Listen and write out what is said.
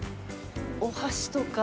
お箸とか。